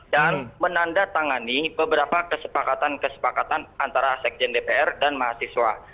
dan menandatangani beberapa kesepakatan kesepakatan antara sekretaris dpr dan mahasiswa